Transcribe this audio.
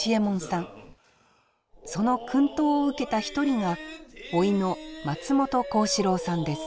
その薫陶を受けた一人が甥の松本幸四郎さんです。